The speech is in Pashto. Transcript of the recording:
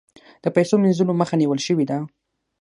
د پیسو مینځلو مخه نیول شوې ده؟